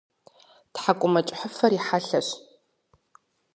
Тхьэкӏумэкӏыхьыфэр и хьэлъэщ.